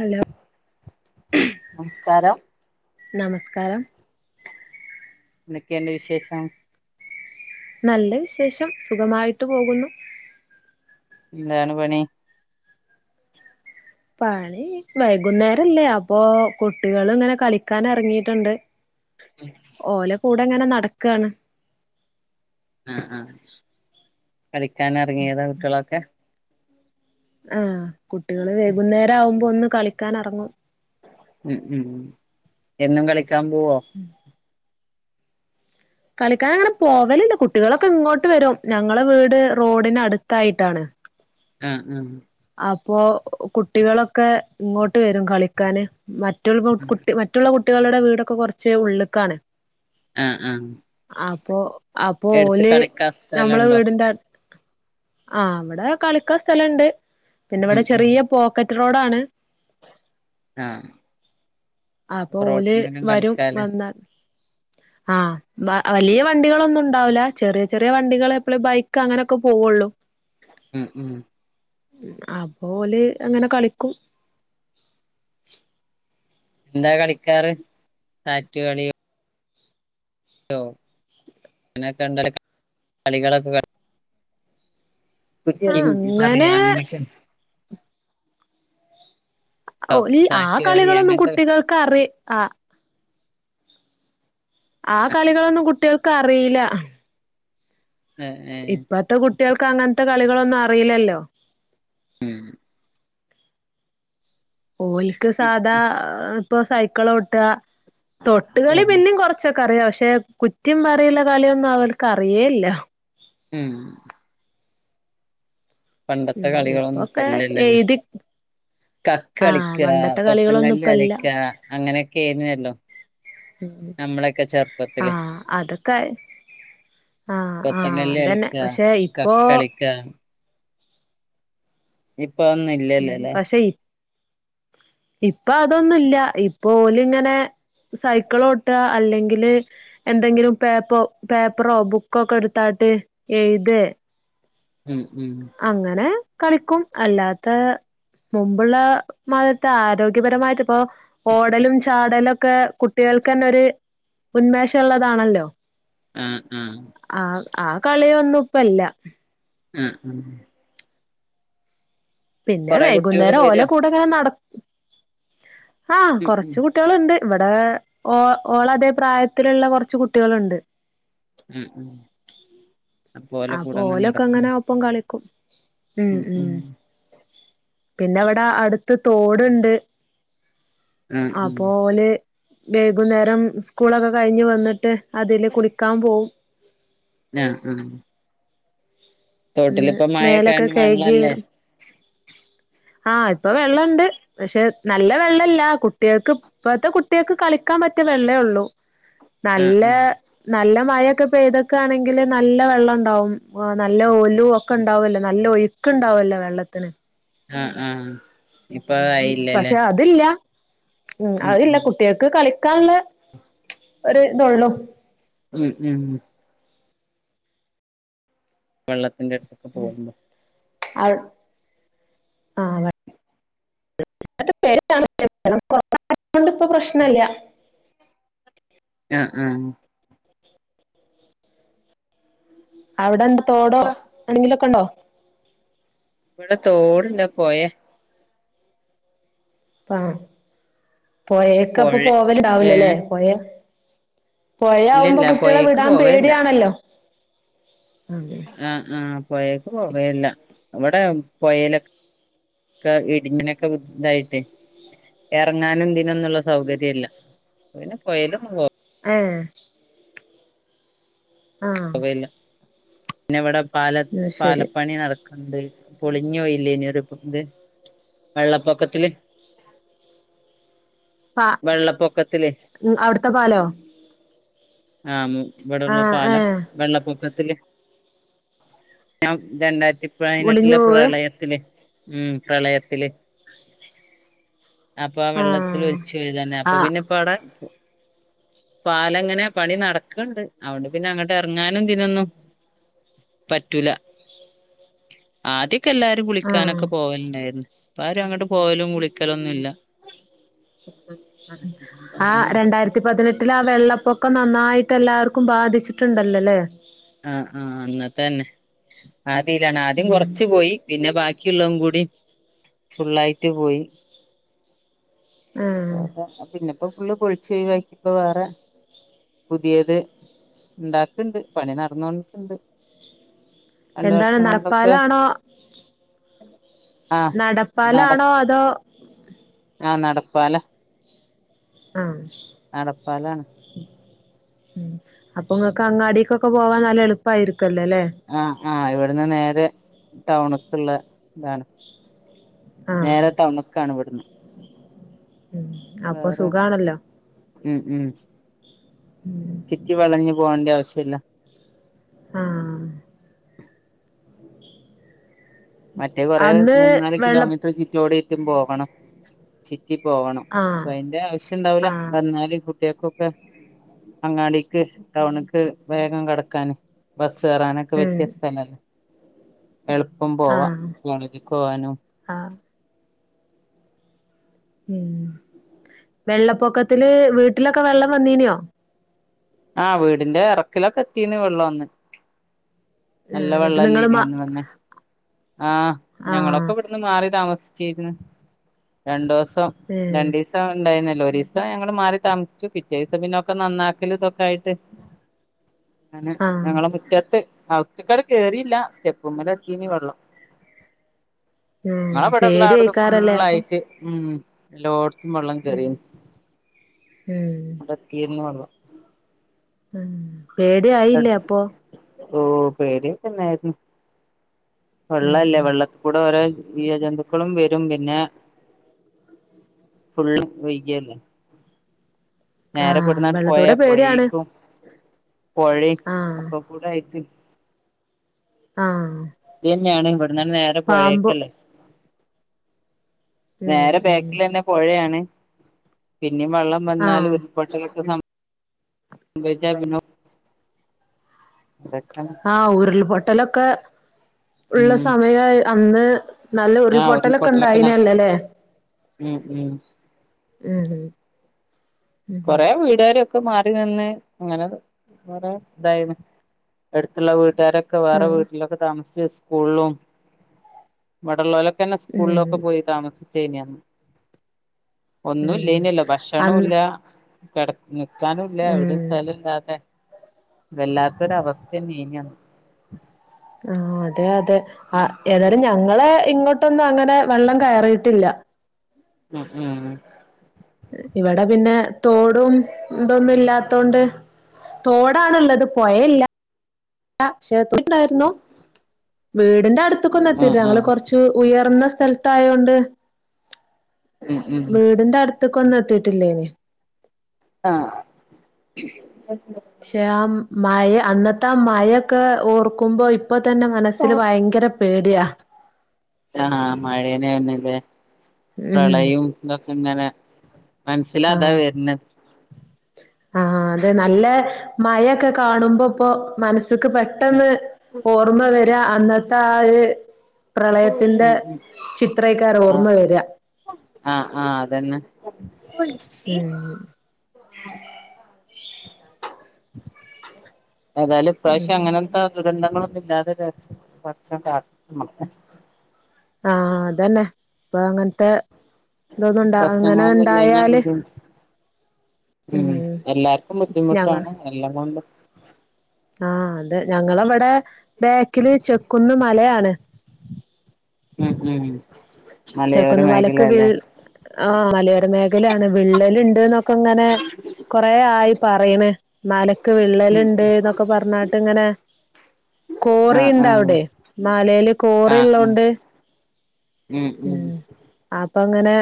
Hello നമസ്കാരം നമസ്കാരം എന്തൊക്കെയൊണ്ട് വിശേഷം? നല്ല വിശേഷം സുഖമായിട്ട് പോകുന്നു. എന്താണ് പണി പണി വൈകുന്നേരല്ലേ അപ്പൊ കുട്ടികള് ഇങ്ങനെ കളിക്കാനെറങ്ങീട്ട്ണ്ട് ഓലെ ക കൂടെങ്ങനെ നടക്കാണ്. ങാ ങാ കളിക്കാൻ ഇറങ്ങിയതാ കുട്ടികളൊക്കെ? ആഹ് കുട്ടികള് വൈകുന്നേരം ആകുമ്പോ ഒന്ന് കളിക്കാനെറങ്ങും ഉം ഉം ഉ എന്നും കളി കളിക്കാൻ പോവു കളിക്കാൻ അങ്ങനെ പോവലുണ്ട് കുട്ടികളൊക്കെ ഇങ്ങോട്ട് വരും ഞങ്ങളെ വീട് റോഡിന് അടുത്തായിട്ടാണ് ആ ആ അപ്പോ കുട്ടികളൊക്കെ ഇങ്ങോട്ട് വരും കളിക്കാന് മ മറ്റ് ആഹ് കുട്ടി മറ്റുള്ള കുട്ട കുട്ടികളുടെ വീടൊക്കെ കുറച്ച് ഉള്ള്ക്കാണ് ആഹ് ആഹ് അപ്പൊ അപ്പൊ എടുത്ത് ഓല് കളിക്കാൻ നമ്മളെ സ്ഥലണ്ടോ വീടിന്റെ അ ആ അവിടെ കളിക്കാ സ്ഥലുണ്ട് പിന്നെ ഉം ഇവിടെ ഉം ചെറിയ പോക്കറ്റ് റോഡണ് ആഹ് അപ്പൊ ഓല് റോട്ട്മ്മലും വരും കളിക്കാലോ വന്നാ ആ വ വലിയ വണ്ടികളൊന്നും ഉണ്ടാവില്ല ചെറിയ ചെറിയ വണ്ടികൾ എപ്പൾ ബൈക്ക് അങ്ങനൊക്കെ പോവുള്ളു ഉം ഉം അപ്പോല് അങ്ങനെ കളിക്കും എന്താ കളിക്കാറ് സാറ്റ് കളിയോ അനെ കണ്ടല് കളികളൊക്കെ ക ആഹ് [unintelligible] അങ്ങനെ പറയാ അങ്ങനെയൊക്കെ ഓ ഉണ്ടോ ഇ ആ സാറ്റ് കളി കളികളൊന്നും അങ്ങനത്തെ കുട്ടികൾക്ക് അറി ആ ആ കളികളൊന്നും കുട്ടികൾക്ക് അറിയില ഏഹ് ഏഹ് കുട്ടികൾക്ക് അങ്ങനത്തെ കളികളൊന്നും അറിയില്ലല്ലോ ഓയിൽക്ക് സാധാ ഏഹ് ഇപ്പൊ സൈക്കിളോട്ടാ തൊട്ടുകളി ഉം പിന്നെയും കുറച്ചൊക്കെ അറിയാ പക്ഷേ പക്ഷെ കുറ്റി പറയുള്ള കളിയൊന്നും അവർക്ക് അറിയേയില്ല ഉം പണ്ടത്തെ ഉം കളികളൊന്നും ഇപ്പൊക്കെ ഇപ്പല്ലല്ലോ എഴുതി കക്ക്‌ ആഹ് കളിക്ക പണ്ടത്തെ കളികളൊന്നും കൊത്തങ്കല്ല് ഇപ്പല്ല കളിക്ക അങ്ങനെയൊക്കെ ആയിന്നല്ലോ ഉം നമ്മളൊക്കെ ചെറുപ്പത്തില് ആഹ് അതൊക്കെ ആഹ് ആഹ് കൊത്തങ്കല്ല് അതന്നെ കളിക്ക പക്ഷെ ഇപ്പോ കക്ക്‌ കളിക്ക ഉം ഇപ്പൊതന്നും ഉം ഇല്ലല്ലേല്ലേ പക്ഷെ ഇ ഇപ്പൊ അതൊന്നുവില്ല ഇപ്പോ ഓല് ഇങ്ങനെ സൈക്കിളോട്ട അല്ലെങ്കില് എന്തെങ്കിലും പേപ്പോ പേപ്പറോ ബുക്കോ ഒക്കെ എടുത്തായിട്ട് എഴുതെ ഉം ഉം അങ്ങനെ കളിക്കും അല്ലാത്ത മുമ്പുള്ളമാറിയതെ ആരോഗ്യപരമായിട്ടിപ്പോ ഓടലും ചാടലും ഒക്കെ കുട്ടികൾക്കന്നൊര് ഉന്മേഷള്ളതാണല്ലോ ആ ആ ആ ആ കളിയൊന്നും ഇപ്പല്ല ആ ആ പിന്നെ കുട്ടികള് വൈകുന്നേരം വരോ ഓൾടെ കൂടെങ്ങനെ നടക് ആഹ് ഉം ഉം കൊറച്ച് കുട്ടികള്ണ്ട് ഇവിടെ ഓ ഓളതേ പ്രായത്തിലുള്ള കൊറച്ച് കുട്ടികളുണ്ട് ഉം ഉം അപ്പോ ഓലെ അപ്പൊ കൂടങ്ങ് നടക്കും ഓലൊക്കങ്ങനാ ഒപ്പം കളി [inaudible] ഉം ഉം പിന്നവിട അടുത്ത് തോട്ണ്ട് ആഹ് ഉം അപോലെ വൈകുന്നേരം സ്കൂളൊക്കെ കഴിഞ് വന്നിട്ട് അതില് കുളിക്കാൻ പോകും ആഹ് ആഹ് ഇന്ന് മേലൊക്കെ തോട്ടിലിപ്പമഴെക്കായോണ്ട് കഴുകി വള്ളാല്ലേ വരും ആഹ് ഇപ്പൊ വെള്ളണ്ട് പക്ഷെ നല്ല വെള്ളല്ല കുട്ടികൾക്ക് ഇപ്പത്തെ കുട്ടികൾക്ക് കളിക്കാൻ പറ്റിയ വെള്ളേ ഒള്ളു ആഹ് നല്ല ആഹ് നല്ല മഴ പെയ്തക്കാണെങ്കില് നല്ല വെള്ളം ഒണ്ടാവും ആഹ് നല്ല ഒലുവൊക്കെ ണ്ടാവല്ലോ നല്ല ഒഴുക്ക് ഇണ്ടാവല്ലോ വെള്ളത്തിന് ആഹ് ആഹ് ഇപ്പൊ ഉം ആയില്ലല്ലേ പക്ഷെ അതില്ല ഉം അതില്ല കുട്ടികക്ക് കളി കളിക്കാനുള്ള ഒരു ഇതൊള്ളൂ ഉം ഉം വെള്ളത്തിൽ അതിന്റെ അടുത്തൊക്കെ പോകുമ്പോ അത് ആഹ് [unintelligible] അത് കൊണ്ടിപ്പോ പ്രശ്നല്ല ആഹ് ആഹ് അവിടെന്ത തോടോ എന്തെങ്കിലൊക്കൊണ്ടോ ഇവിട തോടില്ല പോയ പാ പൊഴേക്ക് അപ്പൊ പൊഴെ പോവലുണ്ടാവ്‌ല ലെ ഏഹ് പൊഴേ പൊഴയാവുമ്പോ ഇല്ലല്ല കുട്ടിയാളെ പൊയേക്ക് വിടാൻ പേടിയാണല്ലോ അതെ ആ ആ പൊയേക്ക് പോവേയില്ല അവ്ടെ പൊഴേലൊ ക്കെ വ്ത് ഇതായിട്ട് എറങ്ങാനും ഇതിന്നൊന്നുള്ള സൗകര്യയില്ല അപ്പ പിന്നെ പൊയേലൊന്നും പോ ഏ ആ പോവേല്ല പിന്നെ ഇവടെ പാല പാലപ്പണി നട പണ്ട് പൊളിഞ്ഞോയില്ലേയിനൊ ഒര് ഇത് വെള്ളപ്പൊക്കത്തില് പാ വെള്ളപ്പൊക്കത്തില് അയുട്ത്തെ പാലോ ആ മു ഇബടെ ഉള്ള ആഹ് പാലം ഏഹ് പൊക്കത്തില് ഞാം രണ്ടായിര് ത്തി ഒലിഞ്ഞു പയിനെട്ടിലെ പോവേ പ്രളയത്തില് ഉം പ്രളയത്തില് അപ്പൊ ആ വെള്ളത്തിൽ ആഹ് ഒൽച്ചേയ്താണ് അപ്പൊ ആഹ് പിന്നെ ഇപ്പം അയുടെ പാലം ഇങ്ങനെ പണി നട്ക്ക്ണ്ട് അയോണ്ട് പിന്നെ അങ്ങട്ട് എറങ്ങാനും ഇതിനൊന്നും പറ്റൂല ആദ്യ ക്ക് എല്ലാരും ആഹ് കുളിക്കാനൊക്കെ പോവൽ ഇണ്ടായിര്ന്ന് ഇപ്പാരും അങ്ങട്ട് പോവലും കുളിക്കലും ഒ ഒന്നുല്ല ആ രണ്ടായിരത്തി പതിനെട്ടിൽ ആ വെള്ളപ്പൊക്കം നന്നായിട്ട് എല്ലാർ ക്കും ബാധിച്ചിട്ട് ഇണ്ടല്ലോലെ ആ ആ അന്നത്തെയെന്നെ ആതിലാണ് ആദ്യം ഉം കൊർച്ച് പോയി പിന്നെ ബാക്കി ള്ളെയ് കൂടി ഫുള്ളായിട്ട് പോയി ആഹ് അതാ പിന്നെ ഇപ്പം ഫുള്ള് പൊളിച്ച് ഒഴുവാക്കിയിപ്പോ വേറെ പുതെത് ഇണ്ടാക്ക്ണ്ട് പണി നടന്നോണ്ട്ക്ക്ണ്ട് രണ്ട് എന്താണ് വർഷം കൊണ്ടൊക്കെ നടപ്പാലാണോ ആഹ് നടപ്പാലാണോ അതോ ആ നടപ്പാലാ ആഹ് നടപ്പാലാണ് ഉം അപ്പൊ നിങ്ങക്ക് അങ്ങാടിക്കൊക്കെ പോവാൻ നല്ല എളുപ്പാരിക്കും ആഹ് ആഹ് ഇവിടുന്ന് നേരെ ടൗണുക്കുള്ള ഇതാണ് നേരെ ആഹ് ടൌൺക്കാണ് ഇവട്ന്ന് ഉം അപ്പൊ വേറെ സുഖാണല്ലോ ഉം ചിറ്റി വളഞ്ഞു പോകണ്ട ആവശ്യല്ല ആഹ് മറ്റേ കുറെേ അന്ന് മൂന്നാല് വെള്ള കിലോമീറ്റർ ചിറ്റോടി ക്കും പോകണം ചി റ്റി പോകണം അപ്പ ആഹ് അയിന്റെ ആവശ്യംണ്ടാവൂല ആഹ് വന്നാല് കു കുട്ടിക്കൊക്കെ അങ്ങാടിക്ക് ടൗണക്ക് വേഗം കടക്കാന് ബസ് കേറാനൊക്കെ പറ്റിയ ഉം സ്ഥലാണ് എളു പോവാ ആഹ് കോളേജിക്ക്‌ പോവാനും ആഹ് ഉം വെള്ളപ്പൊക്കത്തില് വീട്ടിലൊക്കെ വെള്ളം വന്നീനോ ആഹ് വീടിന്റെ ഇറക്കിലൊക്കെ എത്തീന് വെള്ളോന്ന് ആഹ് നല്ല എന്നിട്ട് നിങ്ങള് വെള്ളല്ലേന്ന് മ അന്ന് വന്നെ ആഹ് ഞങ്ങളൊക്കെ ആഹ് ഇവിടുന്ന് മാറി താമസി ചെക്കണ് രണ്ടോസം ഏഹ് രണ്ടീസം ഉണ്ടായി ഒരു ദസം ഞങ്ങള് മാറി താമസിച്ചു പിറ്റേ ദിവസം പിന്നൊക്കെ നന്നാക്കല ഇതൊക്കെ ആയിട്ട് അങ്ങനെ ആഹ് ഞങ്ങള മുറ്റത്ത് ആൾ ഒച്ചക്കേട കേറില്ല സ്റ്റെപ്പ്മ്മേലെത്തീനി വെള്ളം ഉം ങ്ങളെ പടള്ള അവിടുത്തെ പേടിയായിക്കാരല്ലേ അപ്പൊ ഫുള്ളായിട്ട് ഉം എല്ലാ വെള്ളം ഉം കയറിയും ഉം അവ്ടെത്തീന്ന് വെള്ളം ഉം പേടി ആയില്ലേ അപ്പൊ ഓ പേടിയൊക്കെണ്ടായിരുന്നു വെള്ളല്ലേ ഉം വെള്ളത്തിൽ കൂടെ വരാര്ക്കും ഈ അ ജന്തുക്കളും വരും [unintelligible] പിന്നെ ഫുള്ള് വയ്യല്ലെ നേരെ ആഹ് ബെട്ന്നാണ്ട് പോയാ വെള്ളത്തോടെ പേടിയാണ് പൊയീക്കും പൊഴി ആഹ് ഒക്കെ കൂടെ ആയിട്ട് ആഹ് തന്ന്യാണ് ഇവട്ന്നാണ്ട് പാമ്പ് പൊഴേക്കല്ലേ ഉം വേറെ ഉം ബാക്കിലന്നെ പൊഴേയാണ് നിം വെള്ളം വന്നാൽ ആഹ് ഉരുപൊട്ടൊക്കെ സംഭ വജാ ബിനൊ ആഹ് ഉരുൾ പൊട്ടലൊക്കെ ഉള്ള ഉം സമയാ അ അന്ന് നല്ല ആ ഉരുൾപൊട്ടലൊക്കെ നട ഉണ്ടായിനല്ലലേ ഉം ഉം ഏ കൊറേ വീടാരൊ ക്കെ മാറി നിന്ന് അങ്ങനെ കൊറെ ഇതായിണ് എടുത്തുള്ള വീട്ട ട്ടാരൊക്കെ വേറെ ആഹ് വീട്ടിലൊക്കെ താമസി ജ് സ്കൂളിലും ഇവടെല്ലോല പിന്നെ ഉം സ്കൂളിലൊക്കെ പോയി താമസ ചെനി അന്ന് ഉം ഒന്നുല്ലേന്യല്ലോ അന്ന് ഭക്ഷണുല്ല കടപ് ന്ന് ക്കാനുല്ല എവിടെ ഉം സ്ഥല ല്ലാതെ വല്ലാത്തൊരവസ്ഥന്നേനി അന്ന് ആഹ് അതെ അ ട് അ ഏതാലും ഞങ്ങളെ ഇങ്ങോട്ട് ന്നും അങ്ങനെ വെള്ളം കയറിയിട്ടില്ല ഉം ഉം ഇവടെ പിന്നെ തോടും തൊന്നും ഇല്ലാത്തോണ്ട് തോടാണ് ഉള്ളത് പൊഴല്ല ല്ല ശേത്തി ണ്ടാര്ന്നു വീടിന്റെ അടുത്ത്ക്കൊന്നും എത്തിട്ടില്ല ഞങ്ങള് ഉം കൊർച്ച് ഉയർന്ന സ്ഥ സ്ഥലത്തായോണ്ട് ഉം ഉം ഉം വീടിന്റെ അടുത്ത് കൊന്നെത്തീട്ടില്ലേനി ആഹ പക്ഷെ ആ മഴ അന്നത്തെ ആ മഴൊക്കെ ഓർക്കുമ്പോ ഇപ്പോൾ തന്നെ മനസ്സിൽ ഭയങ്കര പേടിയാ ആഹ [unintelligible] മഴേനെന്നല്ലേ ഉം പ്രളയുമൊക് എങ്ങനെ മനസ്സിലതാ വരുന്നത് ആഹ അതെ നല്ല മഴൊക്കെ കാണുമ്പോ ഇപ്പോൊ മനസ് എനക് പെട്ടെന്ന് ഓർമ്മ വരാ അന്ന് താല് [unintelligible] പ്രളയത്തിന്റെ ഉം ഉം ചിത്രക്കാര ഓർമ്മ വരിക ആഹ ആഹ് അതന്നെ പോയിസ്തീസ് [inaudible] ഉം [unintelligible] ഏതാലും ഇ പ്രാവശ്യം ഉം അങ്ങനത്തെ ദുരന്തങ്ങലൊന്നും [unintelligible] [unintelligible] ആഹ അതന്നെ ഇപ്പൊ അങ്ങനത്തെ എതൊന്നുംണ്ട അങ്ങനെ പ്രശ്നങ്ങളൊന്നും ഇല്ലഞ്ഞാ ഇണ്ടായാല് ബുദ്ധിമുട്ട് ഉം എല്ലാർക്കും ബുദ്ധിമുട്ടാണ് എല്ലാം കൊണ്ടും ആഹ അത ഞങ്ങളവിടെ ബാക്കില് ചെക്ക്കു ന്ന് മലയാണ് ഉം ഉം മലയോര ചെക്കുന്ന മലക്ക് മേഖലല്ലേ വിള്ള ആ മലയോര മേഖലയാണ് വിള്ളല ഉണ്ട് എന്നൊക്കെ ഇങ്ങനെ കൊറ ആയി പറയണ് മലക്ക് വിള്ളലുണ്ട് എന്നൊക്കെ പറഞ്ഞാട്ട് ഇങ്ങനെ ആഹ് കോറിുണ്ട ആഹ് അവിടെ മലയില് കോറി ആഹ് ആഹ് ഉള്ളോണ്ട് ഉം അപ്പൊ അങ്ങനെ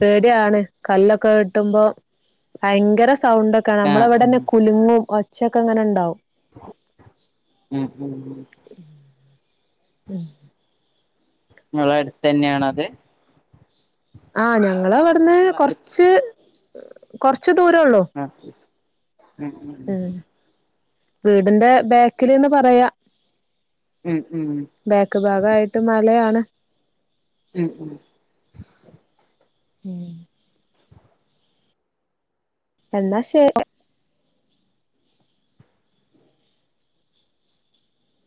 പേടിയാണ് കല്ലൊക്കെ കിട്ടുമ്പോ ഭയങ്കര സൗണ്ട ഒക്കെ ആഹ് ഉം നമ്മളവിടെന്നെ കുലുങ്ങും ഉച്ചയ്ക്കങ്ങനെ ഉണ്ടാവും ഉം ഉ [unintelligible] ഉം നിങ്ങള അടുത്ത് തന്നെയാണത് ആഹ് ഞാ ഞങ്ങളവിടുന്ന് നിങ്ങളെ അടുത്ത് കൊറച്ച് കുറച്ച് കൊറച്ച ദൂര ഉള്ളോ ആഹ് ഉം ഉം വീടിന്റെ ബാക്കില്ന്ന് പറയാ ഉം ഉം ബാക്ക് ഭാഗായിട്ട് മലയാണ് ഉം ഉം ഉം എന്നാ ശരി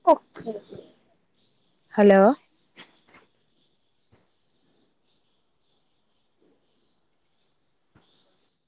കുക്കി ഹലോ [inaudible]